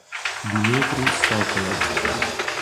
Dmitrij Sokolov